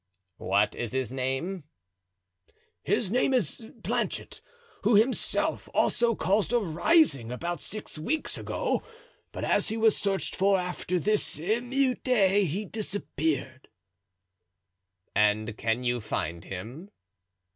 "What is his name?" "He is named Planchet, who himself also caused a rising about six weeks ago; but as he was searched for after this emeute he disappeared." "And can you find him?"